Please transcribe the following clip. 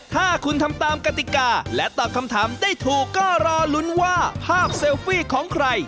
ถ้าคุณทำตามกติกาและตอบคำถามได้ถูกก็รอลุ้นว่าภาพเซลฟี่ของใคร